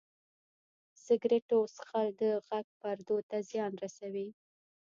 سګرټو څښل د غږ پردو ته زیان رسوي.